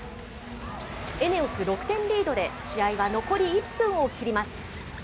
ＥＮＥＯＳ６点リードで、試合は残り１分を切ります。